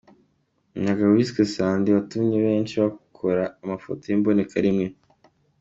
Umuyaga wiswe Sandi watumye benshi bakora amafoto y’imbonekarimwe